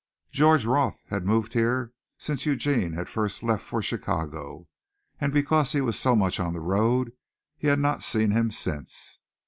George Roth had moved here since Eugene had first left for Chicago, and because he was so much on the road he had not seen him since.